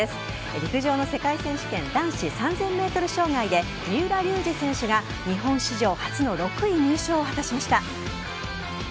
陸上の世界選手権男子３０００ｍ障害で三浦龍司選手が日本史上初の６位入賞を果たしました。